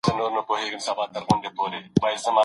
هغوی په کار کولو بوخت دي.